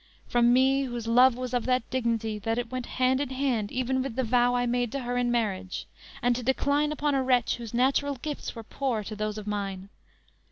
From me, whose love was of that dignity That it went hand in hand even with the vow I made to her in marriage; and to decline Upon a wretch, whose natural gifts were poor To those of mine!